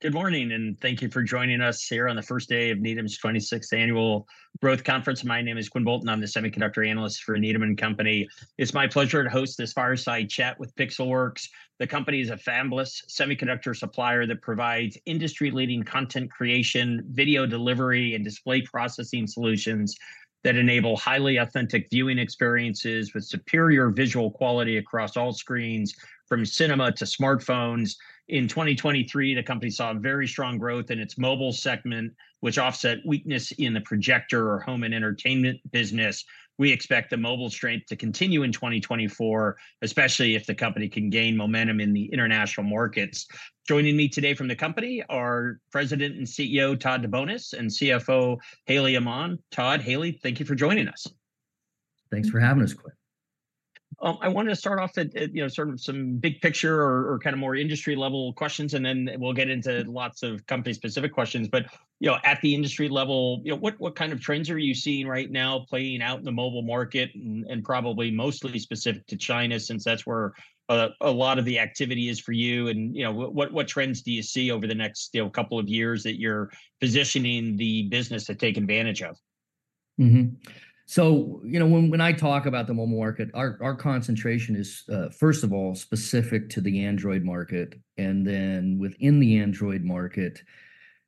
Good morning, and thank you for joining us here on the first day of Needham's twenty-sixth Annual Growth Conference. My name is Quinn Bolton. I'm the semiconductor analyst for Needham and Company. It's my pleasure to host this fireside chat with Pixelworks. The company is a fabless semiconductor supplier that provides industry-leading content creation, video delivery, and display processing solutions that enable highly authentic viewing experiences with superior visual quality across all screens, from cinema to smartphones. In 2023, the company saw very strong growth in its mobile segment, which offset weakness in the projector or home and entertainment business. We expect the mobile strength to continue in 2024, especially if the company can gain momentum in the international markets. Joining me today from the company are President and CEO, Todd DeBonis, and CFO, Haley Aman. Todd, Haley, thank you for joining us. Thanks for having us, Quinn. I wanted to start off at, sort of some big picture or kinda more industry-level questions, and then we'll get into lots of company-specific questions. But at the industry level what kind of trends are you seeing right now playing out in the mobile market and probably mostly specific to China, since that's where a lot of the activity is for you? And what trends do you see over the next couple of years that you're positioning the business to take advantage of? Mm-hmm. So when I talk about the mobile market, our concentration is first of all specific to the Android market, and then within the Android market,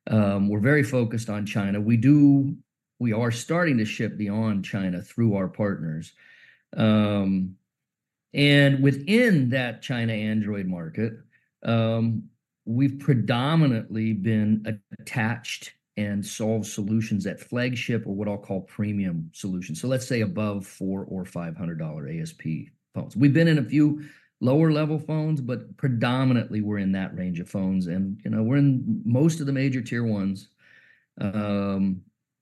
we're very focused on China. We are starting to ship beyond China through our partners. And within that China Android market, we've predominantly been attached and sold solutions at flagship or what I'll call premium solutions, so let's say above $400 or $500 ASP phones. We've been in a few lower-level phones, but predominantly we're in that range of phones, and we're in most of the major tier ones.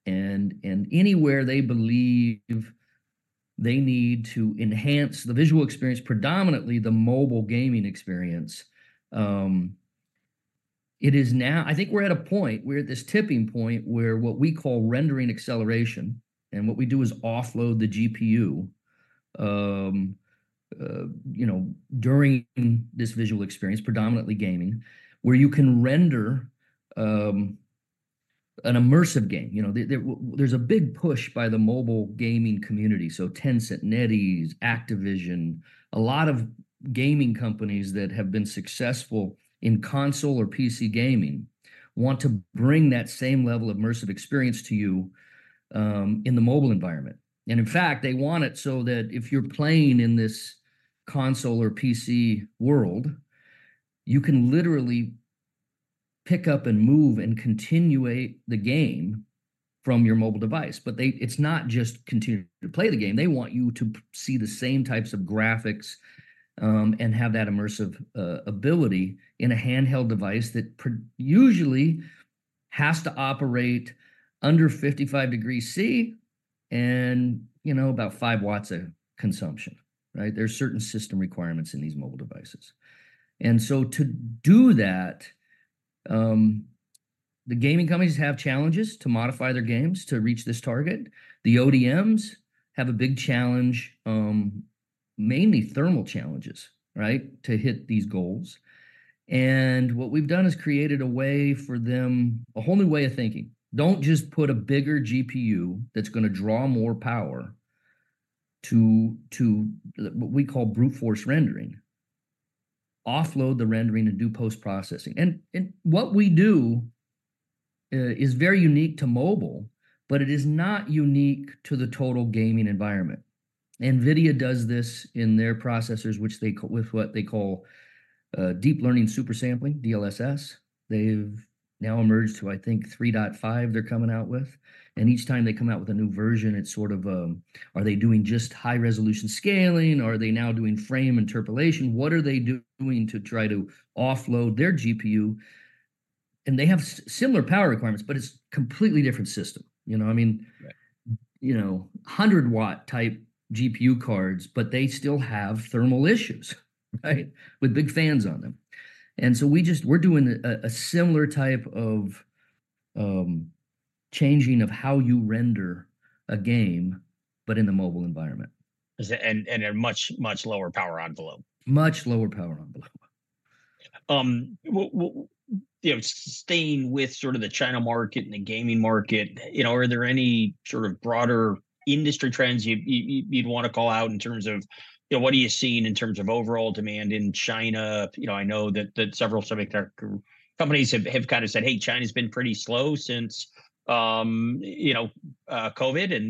And anywhere they believe they need to enhance the visual experience, predominantly the mobile gaming experience, it is now... I think we're at a point, we're at this tipping point where what we call Rendering Acceleration, and what we do is offload the GPU during this visual experience, predominantly gaming, where you can render an immersive game. There's a big push by the mobile gaming community, so Tencent, NetEase, Activision, a lot of gaming companies that have been successful in console or PC gaming, want to bring that same level of immersive experience to you, in the mobile environment. And in fact, they want it so that if you're playing in this console or PC world, you can literally pick up and move and continue the game from your mobile device. But they... It's not just continuing to play the game, they want you to see the same types of graphics, and have that immersive ability in a handheld device that usually has to operate under 55 degrees Celsius and about 5 watts of consumption, right? There are certain system requirements in these mobile devices. So to do that, the gaming companies have challenges to modify their games to reach this target. The ODMs have a big challenge, mainly thermal challenges, right? To hit these goals. What we've done is created a way for them, a whole new way of thinking. Don't just put a bigger GPU that's gonna draw more power to what we call brute force rendering. Offload the rendering and do post-processing. What we do is very unique to mobile, but it is not unique to the total gaming environment. NVIDIA does this in their processors, which they call deep learning super sampling, DLSS. They've now emerged to, I think, 3.5 they're coming out with, and each time they come out with a new version, it's sort of, are they doing just high-resolution scaling, or are they now doing frame interpolation? What are they doing to try to offload their GPU? And they have similar power requirements, but it's a completely different system what I mean? Right 100-watt type GPU cards, but they still have thermal issues, right? With big fans on them. And so we're just doing a similar type of changing of how you render a game, but in the mobile environment. And a much, much lower power envelope. Much lower power envelope. Staying with sort of the China market and the gaming market are there any sort of broader industry trends you'd want to call out in terms of what are you seeing in terms of overall demand in China? I know that several semiconductor companies have kind of said, "Hey, China's been pretty slow since COVID,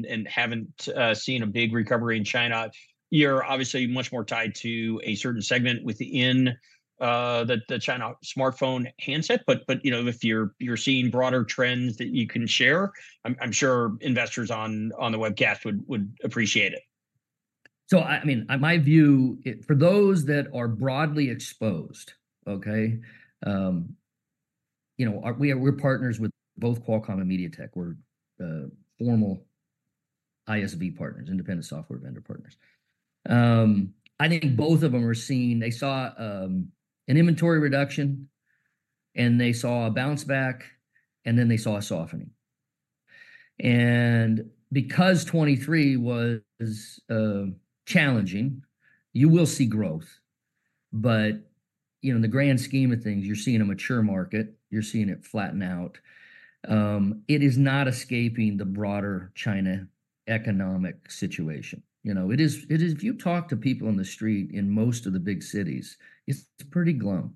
and haven't seen a big recovery in China." You're obviously much more tied to a certain segment within the China smartphone handset, but if you're seeing broader trends that you can share, I'm sure investors on the webcast would appreciate it. So, I mean, my view for those that are broadly exposed, okay we're partners with both Qualcomm and MediaTek. We're formal ISV partners, independent software vendor partners. I think both of them saw an inventory reduction, and they saw a bounce back, and then they saw a softening... and because 2023 was challenging, you will see growth. But in the grand scheme of things, you're seeing a mature market, you're seeing it flatten out. It is not escaping the broader China economic situation. It is, it is if you talk to people on the street in most of the big cities, it's pretty glum.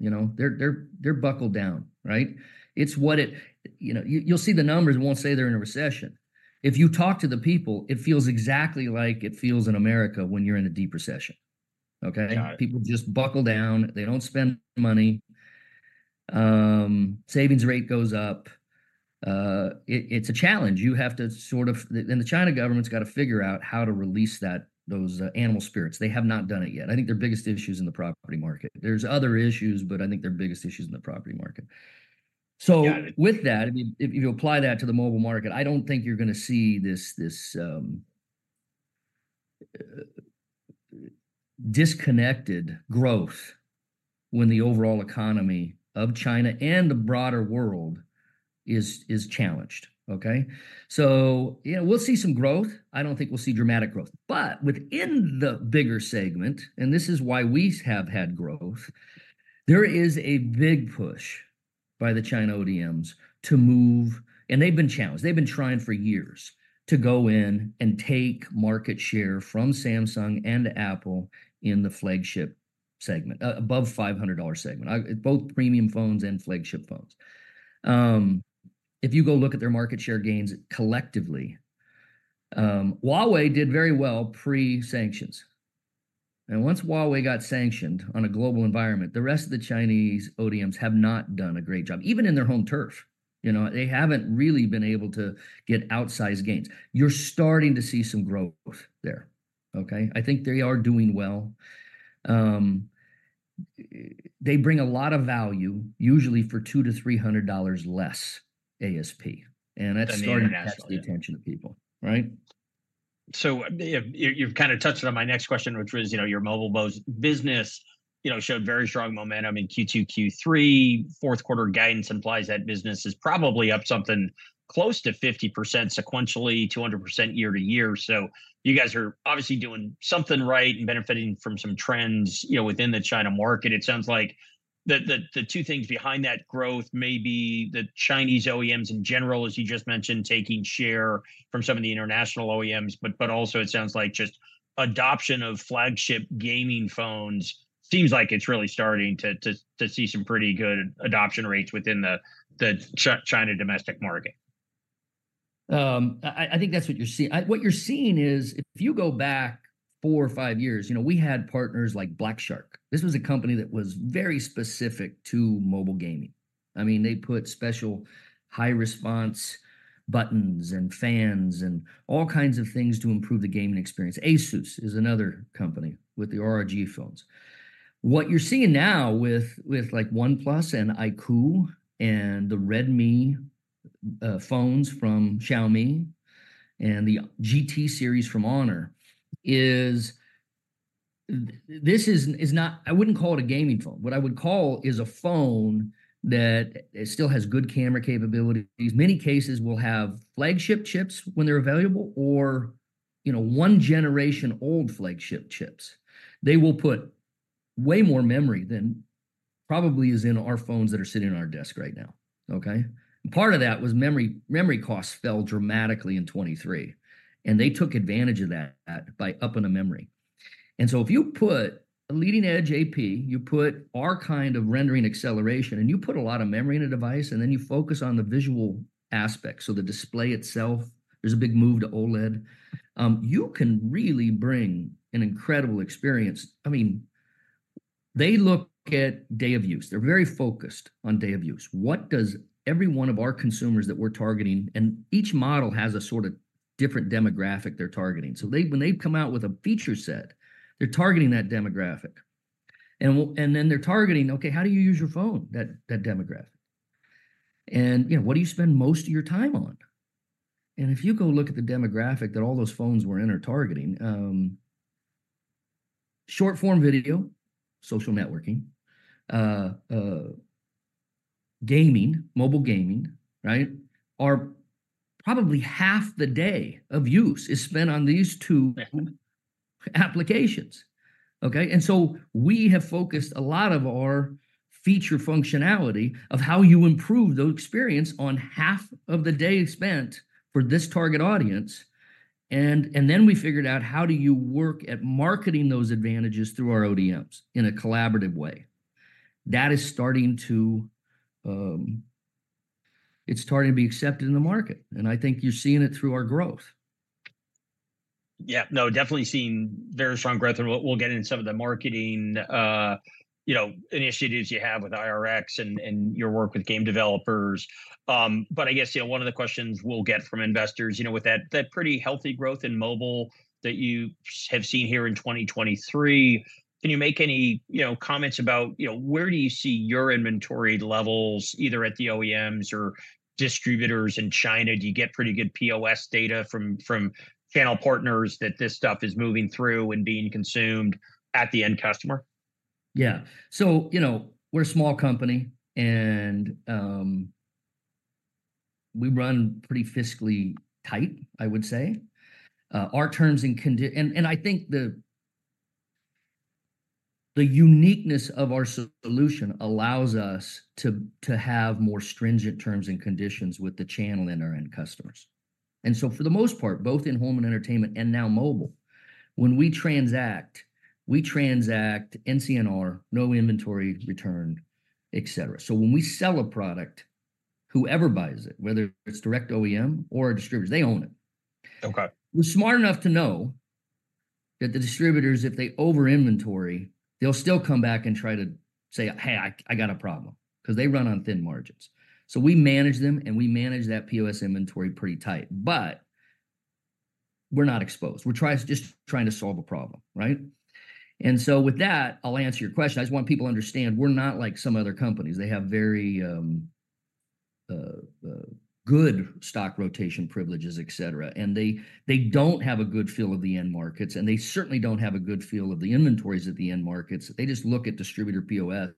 They're buckled down, right? It's what it you'll see the numbers won't say they're in a recession. If you talk to the people, it feels exactly like it feels in America when you're in a deep recession, okay? Got it. People just buckle down, they don't spend money, savings rate goes up. It's a challenge. You have to, and the China government's got to figure out how to release those animal spirits. They have not done it yet. I think their biggest issue is in the property market. There's other issues, but I think their biggest issue is in the property market. Got it. So with that, I mean, if you apply that to the mobile market, I don't think you're going to see this disconnected growth when the overall economy of China and the broader world is challenged, okay? So we'll see some growth. I don't think we'll see dramatic growth. But within the bigger segment, and this is why we have had growth, there is a big push by the China ODMs to move... And they've been challenged, they've been trying for years to go in and take market share from Samsung and Apple in the flagship segment, above $500 segment, both premium phones and flagship phones. If you go look at their market share gains collectively, Huawei did very well pre-sanctions, and once Huawei got sanctioned on a global environment, the rest of the Chinese ODMs have not done a great job, even in their home turf. They haven't really been able to get outsized gains. You're starting to see some growth there, okay? I think they are doing well. They bring a lot of value, usually for $200-$300 less ASP, and that's- Than the international... starting to catch the attention of people, right? So, you've kind of touched on my next question, which was your mobile business showed very strong momentum in Q2, Q3. Q4 guidance implies that business is probably up something close to 50% sequentially, 200% year-to-year. So you guys are obviously doing something right and benefiting from some trends within the China market. It sounds like the two things behind that growth may be the Chinese OEMs in general, as you just mentioned, taking share from some of the international OEMs. But also it sounds like just adoption of flagship gaming phones seems like it's really starting to see some pretty good adoption rates within the China domestic market. I think that's what you're seeing. What you're seeing is, if you go back four or five years we had partners like Black Shark. This was a company that was very specific to mobile gaming. I mean, they put special high-response buttons and fans and all kinds of things to improve the gaming experience. ASUS is another company with the ROG phones. What you're seeing now with, like, OnePlus and iQOO and the Redmi phones from Xiaomi, and the GT series from Honor is... This is not-- I wouldn't call it a gaming phone. What I would call is a phone that still has good camera capabilities. Many cases will have flagship chips when they're available, or one-generation-old flagship chips. They will put way more memory than probably is in our phones that are sitting on our desk right now, okay? And part of that was memory. Memory costs fell dramatically in 2023, and they took advantage of that by upping the memory. And so if you put a leading-edge AP, you put our kind of rendering acceleration, and you put a lot of memory in a device, and then you focus on the visual aspect, so the display itself, there's a big move to OLED, you can really bring an incredible experience. I mean, they look at day of use. They're very focused on day of use. What does every one of our consumers that we're targeting? And each model has a sort of different demographic they're targeting. So they, when they come out with a feature set, they're targeting that demographic. And then they're targeting, "Okay, how do you use your phone?" That demographic. And, "What do you spend most of your time on?" And if you go look at the demographic that all those phones we're entertaining, short-form video, social networking, gaming, mobile gaming, right, are probably half the day of use is spent on these two applications, okay? And so we have focused a lot of our feature functionality of how you improve the experience on half of the day spent for this target audience. And then we figured out how do you work at marketing those advantages through our ODMs in a collaborative way? That is starting to be accepted in the market, and I think you're seeing it through our growth. Yeah. No, definitely seeing very strong growth, and we'll, we'll get into some of the marketing initiatives you have with IRX and, and your work with game developers. But I guess one of the questions we'll get from investors with that, that pretty healthy growth in mobile that you have seen here in 2023, can you make any comments about where do you see your inventory levels, either at the OEMs or distributors in China? Do you get pretty good POS data from, from channel partners that this stuff is moving through and being consumed at the end customer?... Yeah. So we're a small company, and we run pretty fiscally tight, I would say. Our terms and conditions, and I think the uniqueness of our solution allows us to have more stringent terms and conditions with the channel and our end customers. And so for the most part, both in home and entertainment, and now mobile, when we transact, we transact NCNR, no inventory return, et cetera. So when we sell a product, whoever buys it, whether it's direct OEM or a distributor, they own it. Okay. We're smart enough to know that the distributors, if they over-inventory, they'll still come back and try to say, "Hey, I got a problem," 'cause they run on thin margins. So we manage them, and we manage that POS inventory pretty tight, but we're not exposed. We're just trying to solve a problem, right? And so with that, I'll answer your question. I just want people to understand, we're not like some other companies. They have very good stock rotation privileges, et cetera, and they don't have a good feel of the end markets, and they certainly don't have a good feel of the inventories at the end markets. They just look at distributor POS,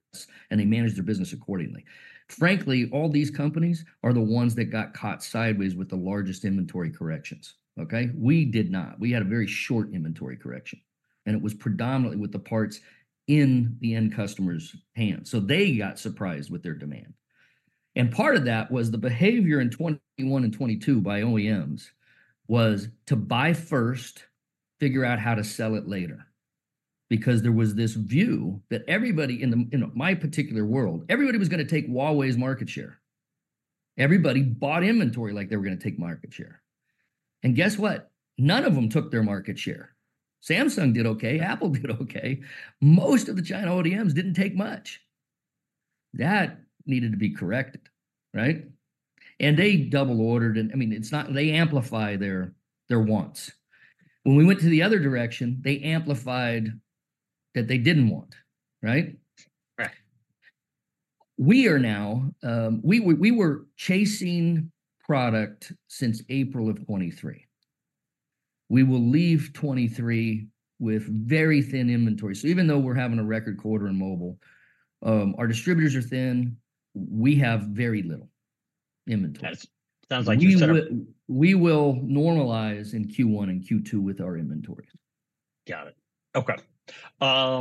and they manage their business accordingly. Frankly, all these companies are the ones that got caught sideways with the largest inventory corrections, okay? We did not. We had a very short inventory correction, and it was predominantly with the parts in the end customers' hands. So they got surprised with their demand. And part of that was the behavior in 2021 and 2022 by OEMs, was to buy first, figure out how to sell it later. Because there was this view that everybody in the, in my particular world, everybody was gonna take Huawei's market share. Everybody bought inventory like they were gonna take market share. And guess what? None of them took their market share. Samsung did okay, Apple did okay. Most of the China OEMs didn't take much. That needed to be corrected, right? And they double ordered, and, I mean, it's not—they amplify their, their wants. When we went to the other direction, they amplified that they didn't want, right? Right. We are now. We were chasing product since April of 2023. We will leave 2023 with very thin inventory. So even though we're having a record quarter in mobile, our distributors are thin, we have very little inventory. That sounds like you. We will normalize in Q1 and Q2 with our inventory. Got it. Okay. I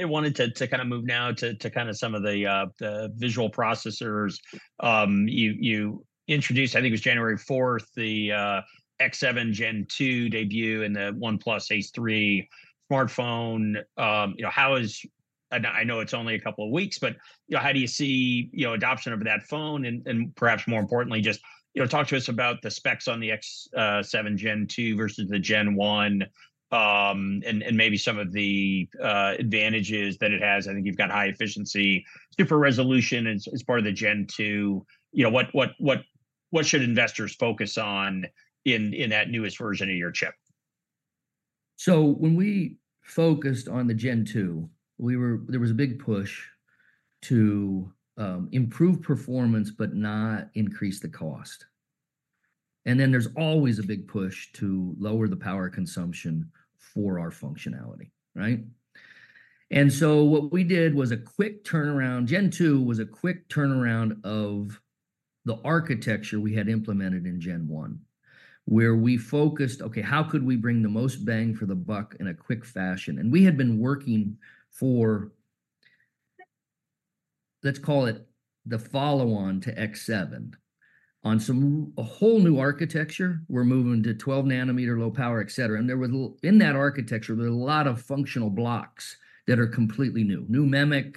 wanted to kind of move now to kind of some of the visual processors. You introduced, I think it was January 4th, the X7 Gen 2 debut and the OnePlus Ace 3 smartphone. How is—I know, I know it's only a couple of weeks, but how do you see adoption of that phone? And, and perhaps more importantly, just talk to us about the specs on the X7 Gen 2 versus the Gen 1, and maybe some of the advantages that it has. I think you've got high efficiency, super resolution as part of the Gen 2. What should investors focus on in that newest version of your chip? So when we focused on the Gen 2, there was a big push to improve performance, but not increase the cost. And then, there's always a big push to lower the power consumption for our functionality, right? And so what we did was a quick turnaround. Gen 2 was a quick turnaround of the architecture we had implemented in Gen 1, where we focused: "Okay, how could we bring the most bang for the buck in a quick fashion?" And we had been working for, let's call it, the follow-on to X7. On a whole new architecture, we're moving to 12-nanometer, low power, et cetera. And in that architecture, there were a lot of functional blocks that are completely new. New MEMC,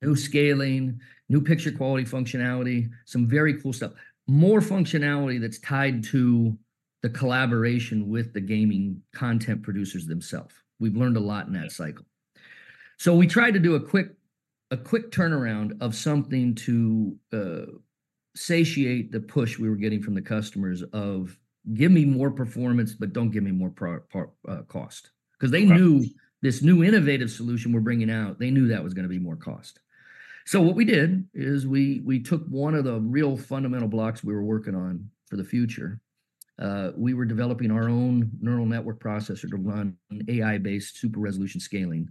new scaling, new picture quality functionality, some very cool stuff. More functionality that's tied to the collaboration with the gaming content producers themselves. We've learned a lot in that cycle. We tried to do a quick turnaround of something to satiate the push we were getting from the customers of: "Give me more performance, but don't give me more cost. Right. 'Cause they knew this new innovative solution we're bringing out, they knew that was gonna be more cost. So what we did is we took one of the real fundamental blocks we were working on for the future. We were developing our own neural network processor to run an AI-based super-resolution scaling.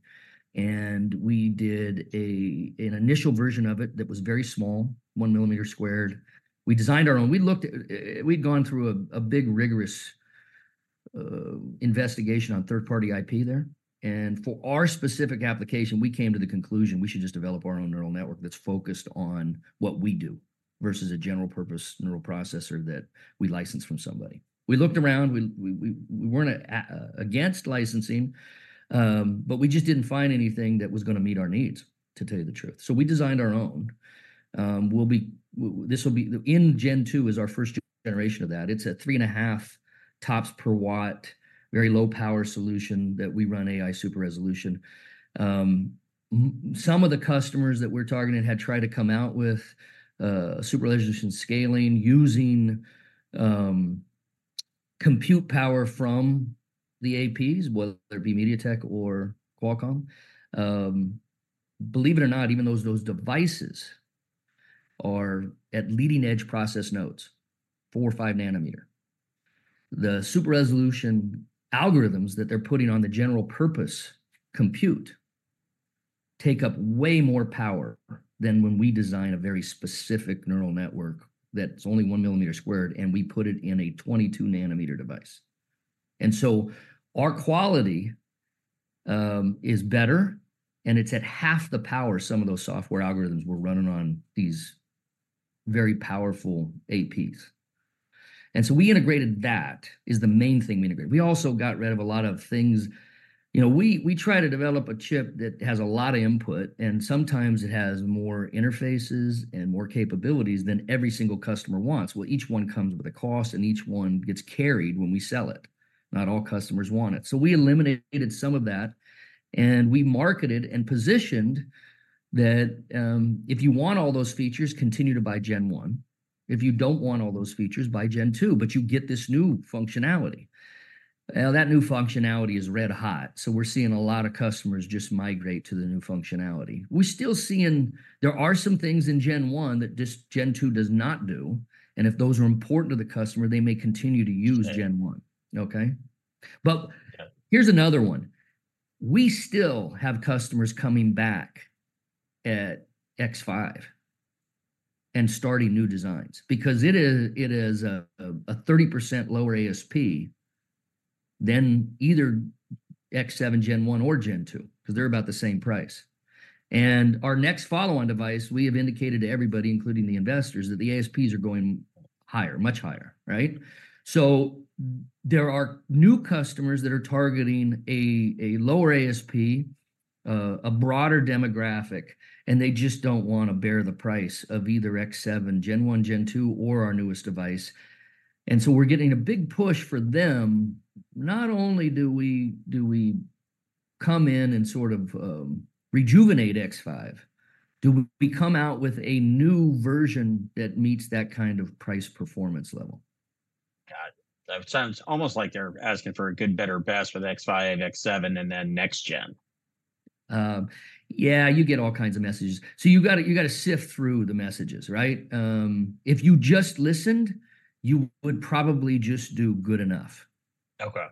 And we did an initial version of it that was very small, one millimeter squared. We'd gone through a big, rigorous investigation on third-party IP there. And for our specific application, we came to the conclusion we should just develop our own neural network that's focused on what we do, versus a general purpose neural processor that we licensed from somebody. We looked around, we weren't against licensing, but we just didn't find anything that was gonna meet our needs, to tell you the truth. So we designed our own. This will be, the X7 Gen 2 is our first generation of that. It's a 3.5 TOPS per watt, very low power solution that we run AI super resolution. Some of the customers that we're targeting had tried to come out with super resolution scaling, using compute power from the APs, whether it be MediaTek or Qualcomm. Believe it or not, even those devices are at leading-edge process nodes, 4 or 5 nanometer. The super resolution algorithms that they're putting on the general purpose compute take up way more power than when we design a very specific neural network that's only 1 millimeter squared, and we put it in a 22 nanometer device. So our quality is better, and it's at half the power some of those software algorithms were running on these very powerful APs. So we integrated that, is the main thing we integrated. We also got rid of a lot of things. We try to develop a chip that has a lot of input, and sometimes it has more interfaces and more capabilities than every single customer wants. Well, each one comes with a cost, and each one gets carried when we sell it. Not all customers want it. So we eliminated some of that, and we marketed and positioned that, if you want all those features, continue to buy Gen 1. If you don't want all those features, buy Gen 2, but you get this new functionality. Now, that new functionality is red hot, so we're seeing a lot of customers just migrate to the new functionality. We're still seeing there are some things in Gen 1 that just Gen 2 does not do, and if those are important to the customer, they may continue to use Gen 1. Right. Okay? But- Yeah. Here's another one: We still have customers coming back at X5 and starting new designs because it is a 30% lower ASP than either X7 Gen 1 or Gen 2, 'cause they're about the same price. Our next follow-on device, we have indicated to everybody, including the investors, that the ASPs are going higher, much higher, right? There are new customers that are targeting a lower ASP, a broader demographic, and they just don't wanna bear the price of either X7 Gen 1, Gen 2, or our newest device, and so we're getting a big push for them. Not only do we come in and sort of rejuvenate X5, do we come out with a new version that meets that kind of price-performance level. Got it. That sounds almost like they're asking for a good, better, best for the X5, X7, and then next gen. Yeah, you get all kinds of messages. So you got, you got sift through the messages, right? If you just listened, you would probably just do good enough. Okay.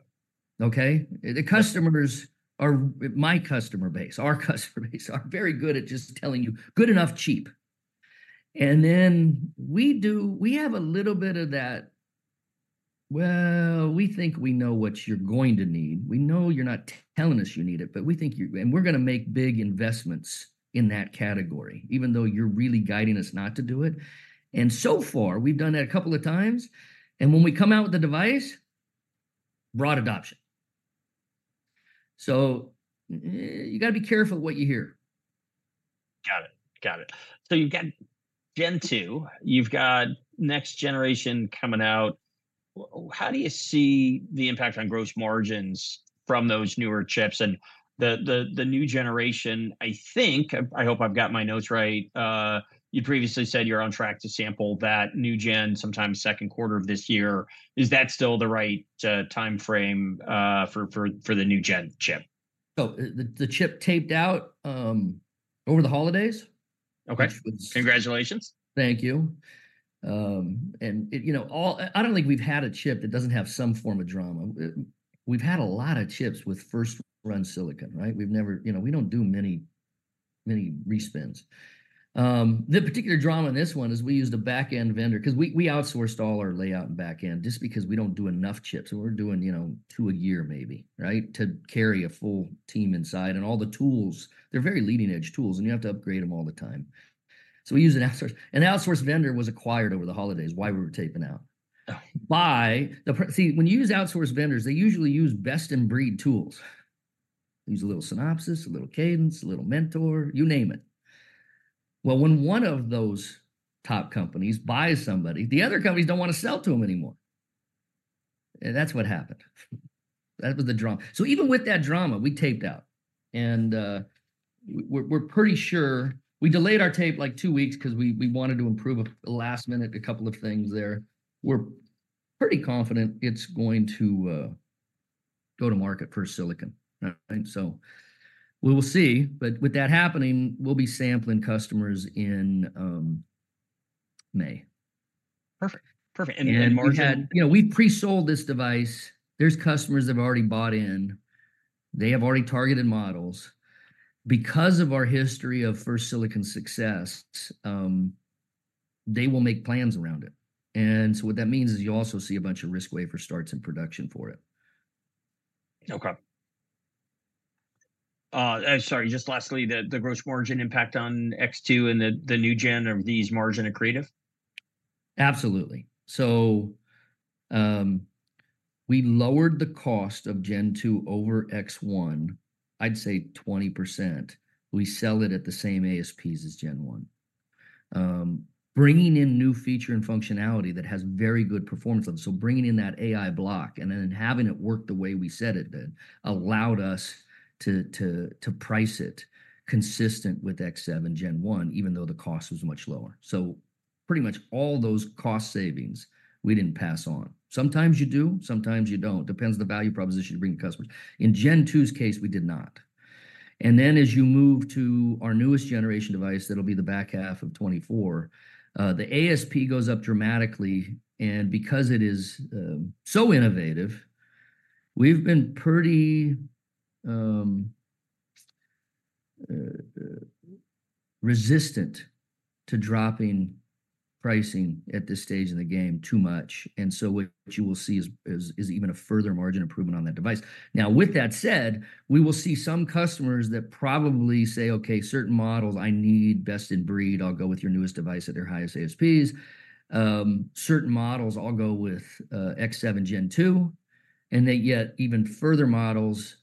Okay? Yeah. The customers or my customer base, our customer base, are very good at just telling you, "Good enough, cheap." And then we have a little bit of that, "Well, we think we know what you're going to need. We know you're not telling us you need it, but we think you..." And we're gonna make big investments in that category, even though you're really guiding us not to do it. And so far, we've done that a couple of times, and when we come out with the device, broad adoption. So, you got be careful what you hear. Got it. Got it. So you've got Gen 2, you've got next generation coming out. How do you see the impact on gross margins from those newer chips and the new generation, I think, I hope I've got my notes right, you previously said you're on track to sample that new gen sometime Q2 of this year. Is that still the right timeframe for the new gen chip? So, the chip taped out over the holidays. Okay. Which was- Congratulations. Thank you. I don't think we've had a chip that doesn't have some form of drama. We've had a lot of chips with first-run silicon, right? We've never we don't do many, many respins. The particular drama in this one is we used a back-end vendor, 'cause we, we outsourced all our layout and back-end, just because we don't do enough chips, and we're doing to a year maybe, right? To carry a full team inside, and all the tools, they're very leading-edge tools, and you have to upgrade them all the time. So we use an outsource, and the outsource vendor was acquired over the holidays, while we were taping out- Oh!... by the See, when you use outsource vendors, they usually use best-in-breed tools. Use a little Synopsys, a little Cadence, a little Mentor, you name it. Well, when one of those top companies buys somebody, the other companies don't wanna sell to them anymore. And that's what happened. That was the drama. So even with that drama, we taped out, and we're pretty sure we delayed our tape, like, 2 weeks 'cause we wanted to improve a last-minute couple of things there. We're pretty confident it's going to go to market for silicon, right? So we will see, but with that happening, we'll be sampling customers in May. Perfect. Perfect, and, and margin- We've pre-sold this device. There's customers that have already bought in. They have already targeted models. Because of our history of first silicon success, they will make plans around it, and so what that means is you also see a bunch of risk wafer starts in production for it. Okay. Sorry, just lastly, the gross margin impact on X2 and the new gen, are these margin accretive? Absolutely. So, we lowered the cost of Gen 2 over X7, I'd say 20%. We sell it at the same ASPs as Gen 1. Bringing in new feature and functionality that has very good performance on it, so bringing in that AI block and then having it work the way we said it did, allowed us to price it consistent with X7 Gen 1, even though the cost was much lower. So pretty much all those cost savings we didn't pass on. Sometimes you do, sometimes you don't. Depends on the value proposition you're bringing customers. In Gen 2's case, we did not. And then, as you move to our newest generation device, that'll be the back half of 2024, the ASP goes up dramatically, and because it is so innovative-... We've been pretty resistant to dropping pricing at this stage in the game too much, and so what you will see is even a further margin improvement on that device. Now, with that said, we will see some customers that probably say: "Okay, certain models I need best-in-breed, I'll go with your newest device at their highest ASPs. Certain models, I'll go with X7 Gen 2," and they yet even further models,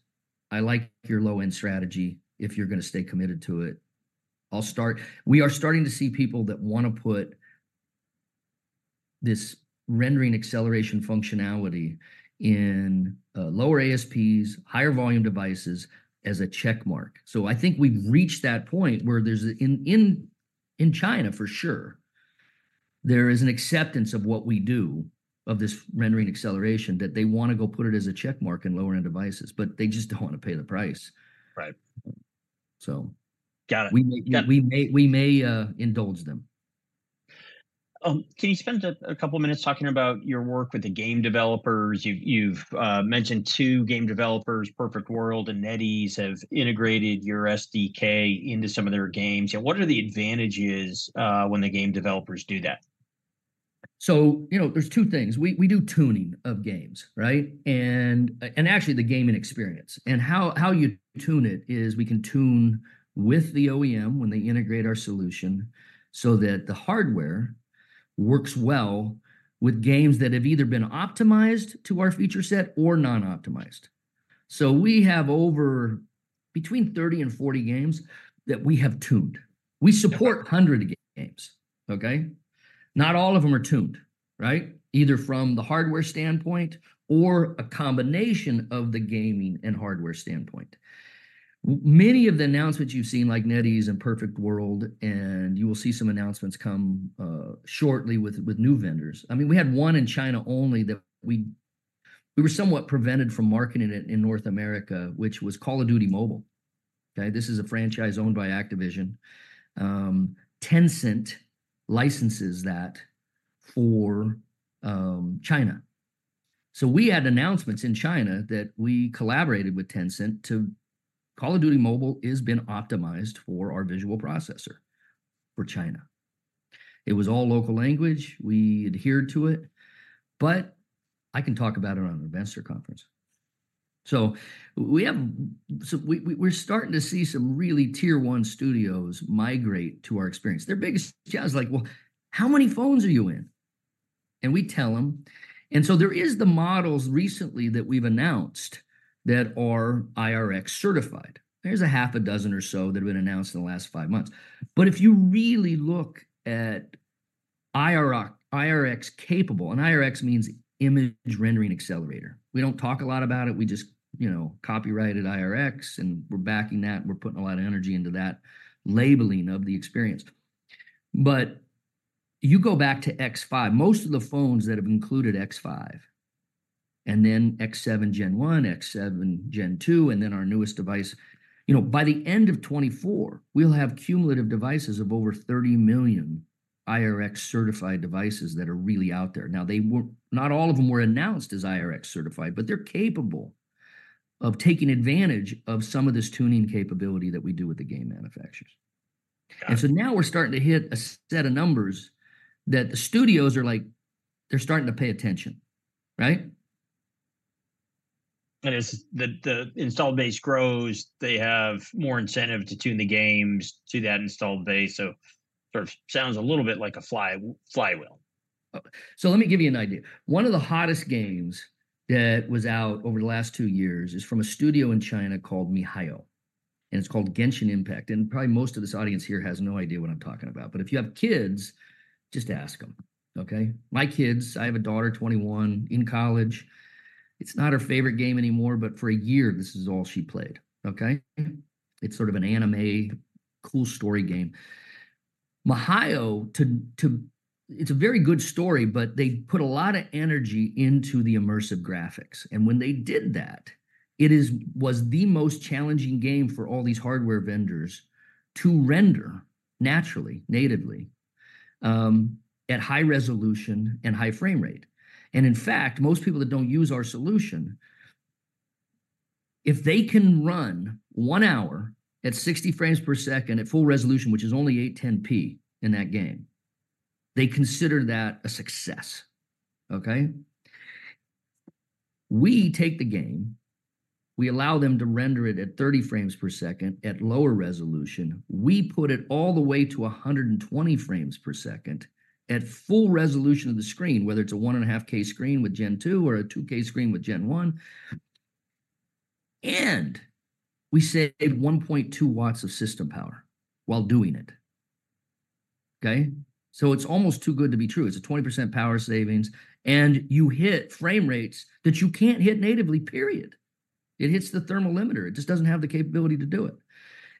"I like your low-end strategy if you're gonna stay committed to it." We are starting to see people that wanna put this rendering acceleration functionality in lower ASPs, higher volume devices, as a check mark. So I think we've reached that point where there's in China, for sure, there is an acceptance of what we do, of this rendering acceleration, that they wanna go put it as a check mark in lower-end devices, but they just don't wanna pay the price. Right. So- Got it. We may indulge them. Can you spend a couple minutes talking about your work with the game developers? You've mentioned two game developers, Perfect World and NetEase, have integrated your SDK into some of their games. Yeah, what are the advantages when the game developers do that? So there's two things. We do tuning of games, right? And actually the gaming experience. And how you tune it is we can tune with the OEM when they integrate our solution, so that the hardware works well with games that have either been optimized to our feature set or non-optimized. So we have over between 30 and 40 games that we have tuned. We support 100 games, okay? Not all of them are tuned, right, either from the hardware standpoint or a combination of the gaming and hardware standpoint. Many of the announcements you've seen, like NetEase and Perfect World, and you will see some announcements come shortly with new vendors. I mean, we had one in China only that we... We were somewhat prevented from marketing it in North America, which was Call of Duty: Mobile. Okay, this is a franchise owned by Activision. Tencent licenses that for China. So we had announcements in China that we collaborated with Tencent to Call of Duty: Mobile is been optimized for our visual processor for China. It was all local language; we adhered to it, but I can talk about it on an investor conference. So we're starting to see some really tier-one studios migrate to our experience. Their biggest job is like, "Well, how many phones are you in?" And we tell them. And so there is the models recently that we've announced that are IRX certified. There's 6 or so that have been announced in the last 5 months. But if you really look at IRX capable, and IRX means Image Rendering Accelerator. We don't talk a lot about it, we just copyrighted IRX, and we're backing that, we're putting a lot of energy into that labeling of the experience. But you go back to X5, most of the phones that have included X5, and then X7 Gen 1, X7 Gen 2, and then our newest device by the end of 2024, we'll have cumulative devices of over 30 million IRX-certified devices that are really out there. Now, not all of them were announced as IRX certified, but they're capable of taking advantage of some of this tuning capability that we do with the game manufacturers. Got it. And so now we're starting to hit a set of numbers that the studios are like, they're starting to pay attention, right? And as the install base grows, they have more incentive to tune the games to that installed base, so sort of sounds a little bit like a flywheel. So let me give you an idea. One of the hottest games that was out over the last two years is from a studio in China called miHoYo, and it's called Genshin Impact, and probably most of this audience here has no idea what I'm talking about. But if you have kids, just ask them, okay? My kids, I have a daughter, 21, in college, it's not her favorite game anymore, but for a year, this is all she played, okay? It's sort of an anime cool story game. miHoYo, it's a very good story, but they put a lot of energy into the immersive graphics, and when they did that, it was the most challenging game for all these hardware vendors to render naturally, natively, at high resolution and high frame rate. In fact, most people that don't use our solution, if they can run 1 hour at 60 frames per second at full resolution, which is only 1080p in that game, they consider that a success, okay? We take the game, we allow them to render it at 30 frames per second at lower resolution. We put it all the way to 120 frames per second at full resolution of the screen, whether it's a 1.5K screen with Gen 2 or a 2K screen with Gen 1, and we save 1.2 watts of system power while doing it, okay? So it's almost too good to be true. It's a 20% power savings, and you hit frame rates that you can't hit natively, period. It hits the thermal limiter. It just doesn't have the capability to do it.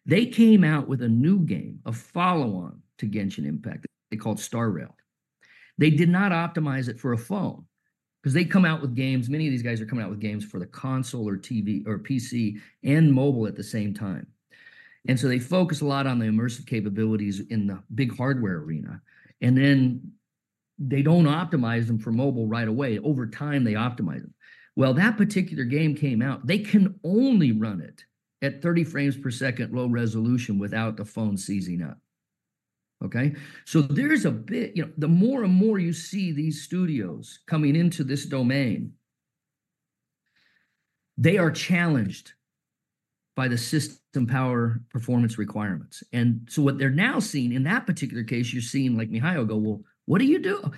They came out with a new game, a follow-on to Genshin Impact, they called Star Rail. They did not optimize it for a phone, 'cause they come out with games—many of these guys are coming out with games for the console, or TV, or PC, and mobile at the same time. And so they focus a lot on the immersive capabilities in the big hardware arena, and then they don't optimize them for mobile right away. Over time, they optimize them. Well, that particular game came out, they can only run it at 30 frames per second, low resolution, without the phone seizing up, okay? So there's a bit the more and more you see these studios coming into this domain, they are challenged by the system power performance requirements. And so what they're now seeing, in that particular case, you're seeing, like, miHoYo go: "Well, what do you do?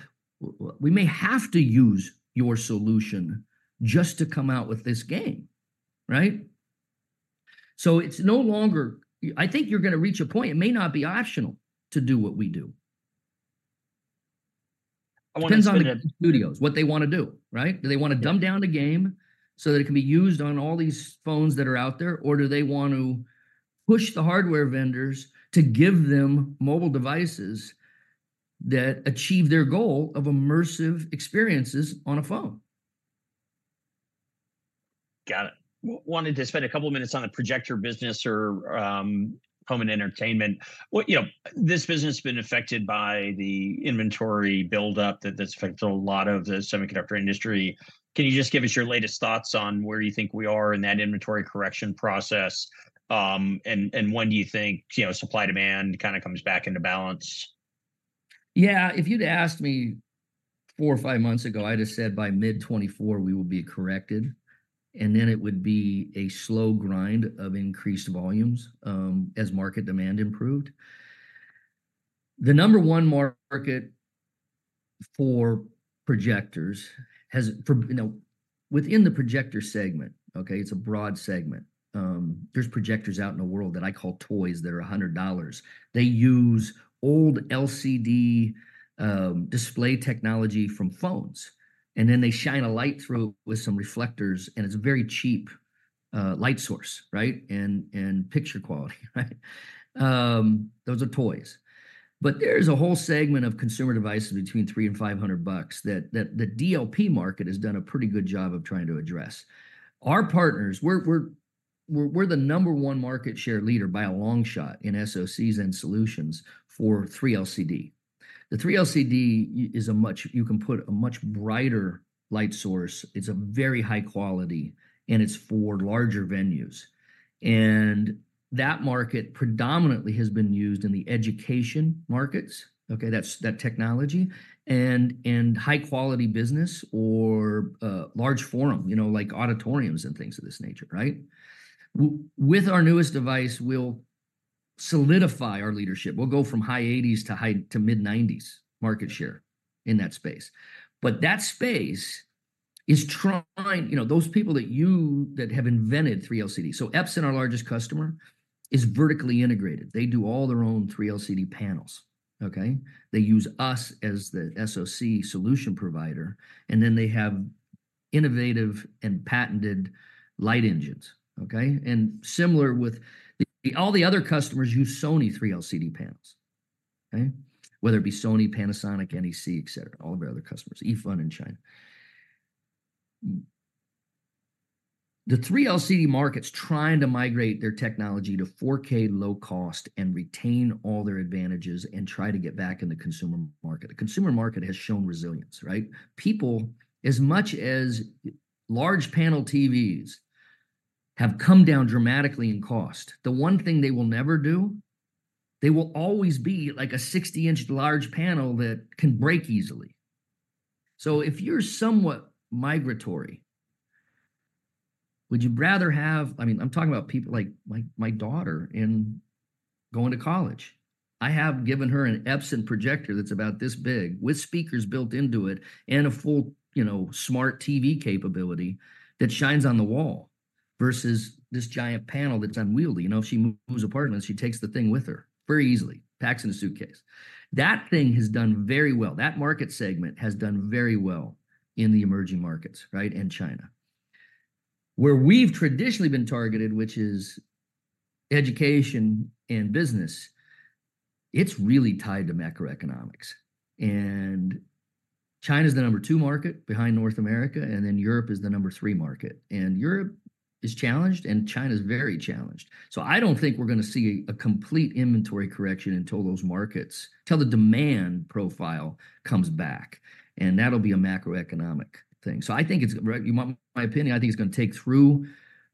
We may have to use your solution just to come out with this game," right? So it's no longer. I think you're gonna reach a point, it may not be optional to do what we do. I wanna- Depends on the studios, what they wanna do, right? Do they wanna dumb down the game so that it can be used on all these phones that are out there, or do they want to push the hardware vendors to give them mobile devices that achieve their goal of immersive experiences on a phone? Got it. Wanted to spend a couple of minutes on the projector business or home and entertainment. Well this business has been affected by the inventory build-up, that's affected a lot of the semiconductor industry. Can you just give us your latest thoughts on where you think we are in that inventory correction process, and when do you think supply-demand kinda comes back into balance? Yeah, if you'd asked me 4 or 5 months ago, I'd have said by mid-2024 we will be corrected, and then it would be a slow grind of increased volumes, as market demand improved. The number one market for projectors has for within the projector segment, okay, it's a broad segment. There's projectors out in the world that I call toys that are $100. They use old LCD display technology from phones, and then they shine a light through with some reflectors, and it's a very cheap light source, right? And picture quality, right? Those are toys. But there's a whole segment of consumer devices between $300-$500 that the DLP market has done a pretty good job of trying to address. Our partners, we're the number one market share leader by a long shot in SoCs and solutions for 3LCD. The 3LCD is a much brighter light source, it's a very high quality, and it's for larger venues. That market predominantly has been used in the education markets, okay, that's that technology, and high-quality business or large format like auditoriums and things of this nature, right? With our newest device, we'll solidify our leadership. We'll go from high 80s to mid-90s market share in that space. But that space is tiny those people that have invented 3LCD. So Epson, our largest customer, is vertically integrated. They do all their own 3LCD panels, okay? They use us as the SoC solution provider, and then they have innovative and patented light engines, okay? Similar with the—all the other customers use Sony 3LCD panels, okay? Whether it be Sony, Panasonic, NEC, et cetera, all of our other customers, Epson in China. The 3LCD market's trying to migrate their technology to 4K low cost and retain all their advantages, and try to get back in the consumer market. The consumer market has shown resilience, right? People, as much as large panel TVs have come down dramatically in cost, the one thing they will never do, they will always be like a 60-inch large panel that can break easily. So if you're somewhat migratory, would you rather have—I mean, I'm talking about people like my, my daughter and going to college. I have given her an Epson projector that's about this big, with speakers built into it, and a full smart TV capability that shines on the wall, versus this giant panel that's unwieldy. If she moves apartment, she takes the thing with her very easily, packs in a suitcase. That thing has done very well. That market segment has done very well in the emerging markets, right, and China. Where we've traditionally been targeted, which is education and business, it's really tied to macroeconomics. And China's the number two market behind North America, and then Europe is the number three market. And Europe is challenged, and China is very challenged. So I don't think we're gonna see a complete inventory correction until those markets, till the demand profile comes back, and that'll be a macroeconomic thing. So I think it's... Right, you want my opinion, I think it's gonna take through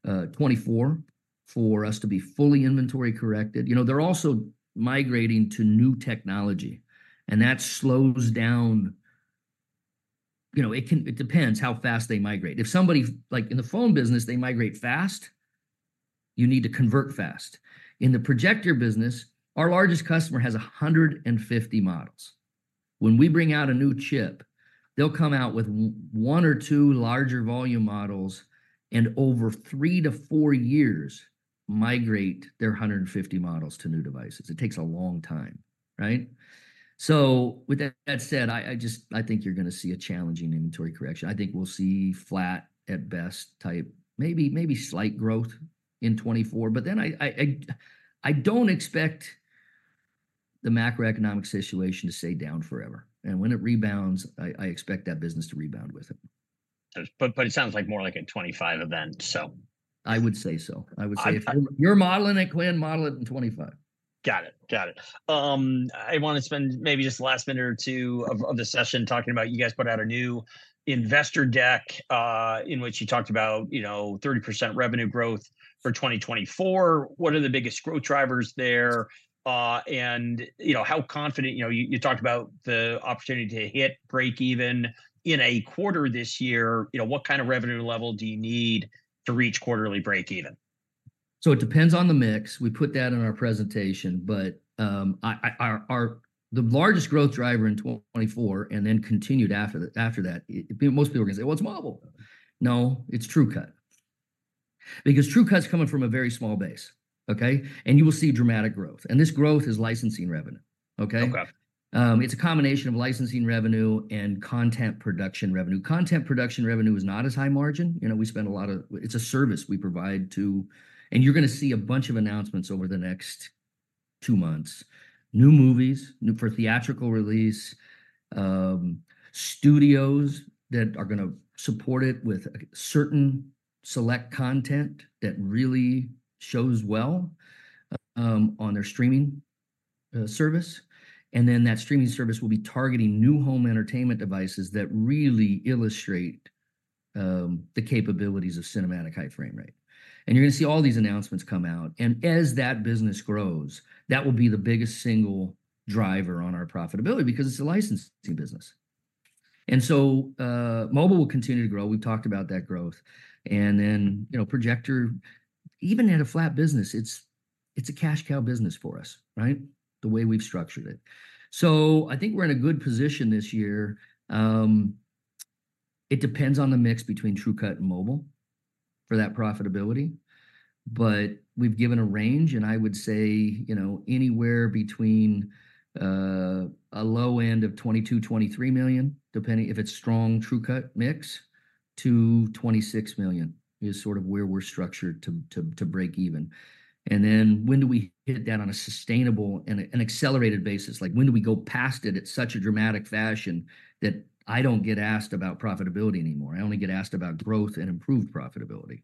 2024 for us to be fully inventory corrected. They're also migrating to new technology, and that slows down it can depends how fast they migrate. If somebody, like in the phone business, they migrate fast, you need to convert fast. In the projector business, our largest customer has 150 models. When we bring out a new chip, they'll come out with one or two larger volume models, and over three to four years, migrate their 150 models to new devices. It takes a long time, right? So with that said, I just—I think you're gonna see a challenging inventory correction. I think we'll see flat, at best—maybe, maybe slight growth in 2024, but then I don't expect the macroeconomic situation to stay down forever. And when it rebounds, I expect that business to rebound with it.... but it sounds like more like a 2025 event, so. I would say so. I- I would say if you're modeling it, Quinn, model it in 2025. Got it. Got it. I wanna spend maybe just the last minute or two of the session talking about you guys put out a new investor deck, in which you talked about 30% revenue growth for 2024. What are the biggest growth drivers there, and how confident you talked about the opportunity to hit breakeven in a quarter this year. What kind of revenue level do you need to reach quarterly breakeven? It depends on the mix. We put that in our presentation, but, our largest growth driver in 2024, and then continued after that, most people are gonna say, "Well, it's mobile." No, it's TrueCut. Because TrueCut's coming from a very small base, okay? You will see dramatic growth, and this growth is licensing revenue, okay? Okay. It's a combination of licensing revenue and content production revenue. Content production revenue is not as high margin. We spend a lot of... It's a service we provide to... You're gonna see a bunch of announcements over the next two months. New movies, new for theatrical release, studios that are gonna support it with a certain select content that really shows well on their streaming service. And then that streaming service will be targeting new home entertainment devices that really illustrate the capabilities of cinematic high frame rate. You're gonna see all these announcements come out, and as that business grows, that will be the biggest single driver on our profitability, because it's a licensing business. So, mobile will continue to grow. We've talked about that growth. And then projector, even at a flat business, it's a cash cow business for us, right? The way we've structured it. So I think we're in a good position this year. It depends on the mix between TrueCut and mobile for that profitability, but we've given a range, and I would say anywhere between a low end of $22-$23 million, depending if it's strong TrueCut mix, to $26 million, is sort of where we're structured to breakeven. And then when do we hit that on a sustainable and an accelerated basis? Like, when do we go past it in such a dramatic fashion that I don't get asked about profitability anymore, I only get asked about growth and improved profitability?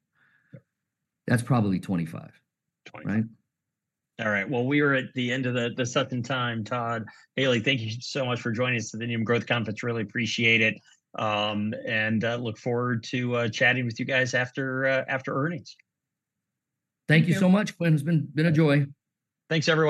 That's probably 2025. '25. Right? All right. Well, we are at the end of the set time, Todd DeBonis, thank you so much for joining us at the Needham Growth Conference. Really appreciate it, and look forward to chatting with you guys after earnings. Thank you so much, Quinn. It's been a joy. Thanks, everyone.